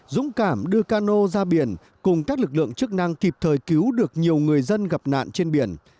dũng cảm đưa cano ra biển cùng các lực lượng chức năng kịp thời cứu được nhiều người dân gặp nạn trên biển